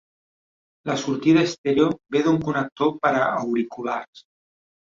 La sortida estèreo ve d'un connector per a auriculars.